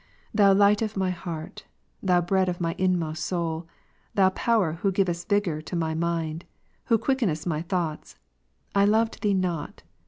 Thou light of my heart. Thou bread of my inmost soul. Thou Power who givest vigour to my mind, who quickenest my thoughts, I loved Thee not.